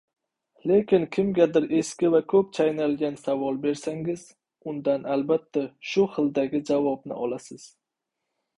Lekin kimgadir eski va koʻp chaynalgan savol bersangiz, undan albatta shu xildagi javobni olasiz.